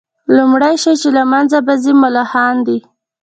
لومړى شى چي له منځه به ځي ملخان دي